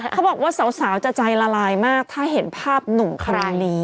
เขาบอกว่าสาวจะใจละลายมากถ้าเห็นภาพหนุ่มคราวนี้